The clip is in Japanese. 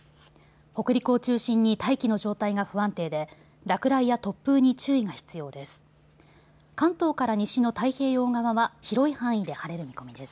北陸を中心に大気の状態が不安定で落雷や突風に注意が必要です。